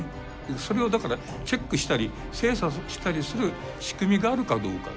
それをだからチェックしたり精査したりする仕組みがあるかどうか。